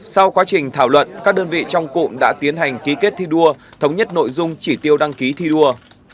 sau quá trình thảo luận các đơn vị trong cụm đã tiến hành ký kết thi đua thống nhất nội dung chỉ tiêu đăng ký thi đua